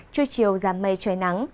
trưa chiều giảm mây trời nắng